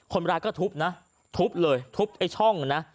คนร้ายก็ทุบนะทุบเลยทุบไอ้ช่องนะ